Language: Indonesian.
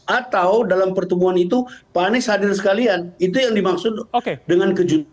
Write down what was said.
atau dalam pertemuan itu pak anies hadir sekalian itu yang dimaksud dengan kejutan